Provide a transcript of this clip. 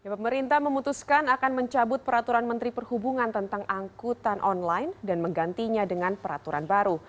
pemerintah memutuskan akan mencabut peraturan menteri perhubungan tentang angkutan online dan menggantinya dengan peraturan baru